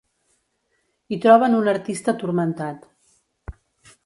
Hi troben un artista turmentat.